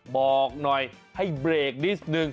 บอกหน่อยให้เบรกนิดนึง